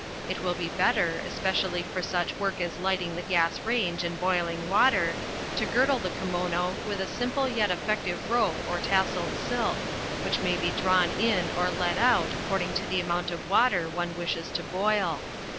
It will be better, especially for such work as lighting the gas range and boiling water, to girdle the kimono with a simple yet effective rope or tasselled silk, which may be drawn in or let out according to the amount of water one wishes to boil.